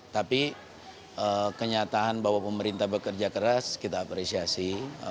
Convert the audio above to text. tapi kenyataan bahwa pemerintah bekerja keras kita apresiasi